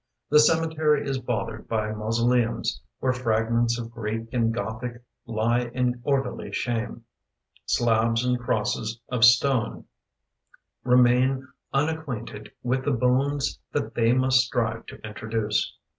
The cemetery is bothered by mausoleums Where fragments of Greek and Gothic Lie in orderly shame. Slabs and crosses of stone Remain unacquainted with the bones That they must strive to introduce.